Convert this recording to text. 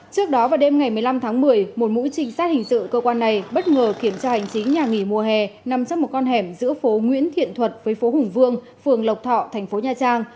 trước đó vào đêm ngày một mươi năm tháng một mươi một mũi trinh sát hình sự cơ quan này bất ngờ kiểm tra hành chính nhà nghỉ mùa hè nằm trong một con hẻm giữa phố nguyễn thiện thuật với phố hùng vương phường lộc thọ thành phố nha trang